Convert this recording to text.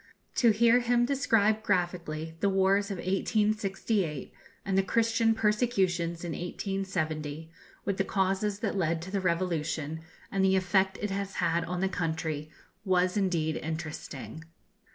To hear him describe graphically the wars of 1868, and the Christian persecutions in 1870, with the causes that led to the revolution, and the effect it has had on the country, was indeed interesting.